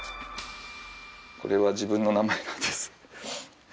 これは自分の名前なんです。